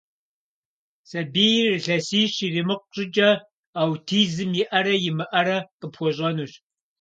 Сабийр илъэсищ иримыкъу щӀыкӀэ аутизм иӀэрэ имыӀэрэ къыпхуэщӀэнущ.